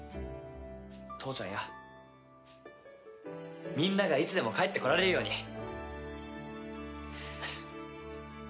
父ちゃんやみんながいつでも帰ってこられるように。